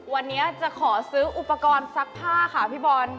วันนี้จะขอซื้ออุปกรณ์ซักผ้าค่ะพี่บอล